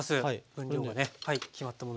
分量がね決まったものですね。